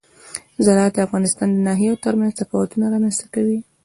زراعت د افغانستان د ناحیو ترمنځ تفاوتونه رامنځ ته کوي.